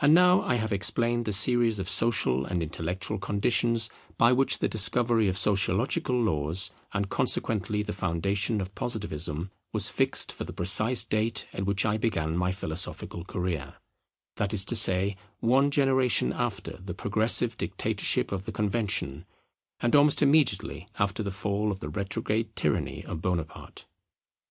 And now I have explained the series of social and intellectual conditions by which the discovery of sociological laws, and consequently the foundation of Positivism, was fixed for the precise date at which I began my philosophical career: that is to say, one generation after the progressive dictatorship of the Convention, and almost immediately after the fall of the retrograde tyranny of Bonaparte.